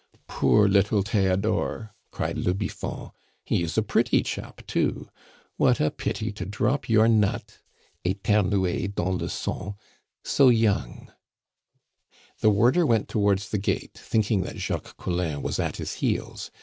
"Poor little Theodore!" cried le Biffon; "he is a pretty chap too. What a pity to drop your nut" (eternuer dans le son) "so young." The warder went towards the gate, thinking that Jacques Collin was at his heels.